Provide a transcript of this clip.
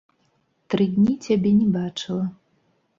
Тры дні цябе не бачыла.